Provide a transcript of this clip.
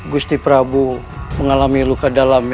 gusti prabu mengalami luka dalam